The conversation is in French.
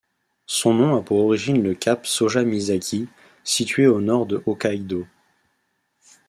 Son nom a pour origine le cap Soja Misaki situé au nord de Hokkaidō.